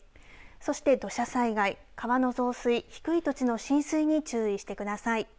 そして土砂災害、川の増水低い土地の浸水に注意してください。